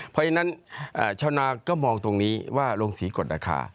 เพราะฉะนั้นเช่านาก็มองว่าโรงสีกฎาคา